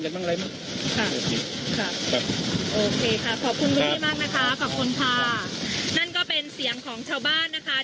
ขอบคุณคุณที่มากนะคะขอบคุณค่ะนั่นก็เป็นเสียงของชาวบ้านนะคะ